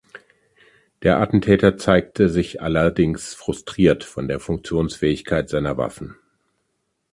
Der Attentäter zeigte sich allerdings frustriert von der Funktionsfähigkeit seiner Waffen.